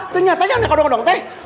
ternyata yang ada kodong kodong teh